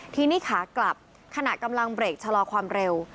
ทีนี้ขากลับขณะกำลังเบรกชะลอความเร็ว